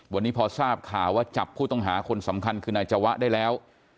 วันนี้พอทราบข่าวว่าจับผู้ต้องหาคนสำคัญคือนายจวะได้แล้ว